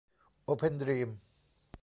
โอเพ่นดรีม